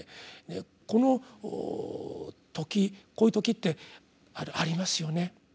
この時こういう時ってありますよね。